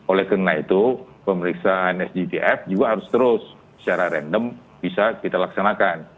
oleh karena itu pemeriksaan sgtf juga harus terus secara random bisa kita laksanakan